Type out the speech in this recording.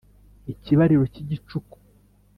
Ikibariro cy'igicuku